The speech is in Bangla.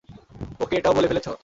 ওকে এটাও বলে ফেলেছ?